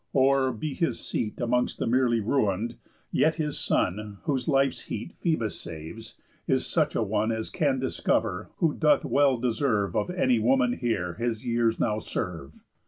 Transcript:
Or, be his seat Amongst the merely ruin'd, yet his son, Whose life's heat Phœbus saves, is such a one As can discover who doth well deserve Of any woman here his years now serve."